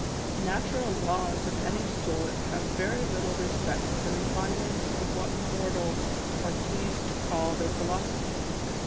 Natural laws of any sort have very little respect for the refinements of what mortals are pleased to call their philosophy.